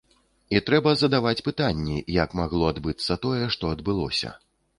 І трэба задаваць пытанні, як магло адбыцца тое, што адбылося.